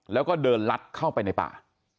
แล้วก็เดินลัดเข้าไปในป่า